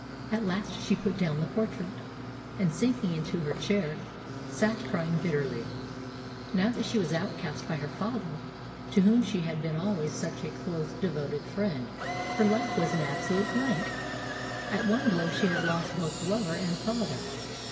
At last she put down the portrait, and, sinking into her chair, sat crying bitterly. Now that she was outcast by her father, to whom she had been always such a close, devoted friend, her life was an absolute blank. At one blow she had lost both lover and father.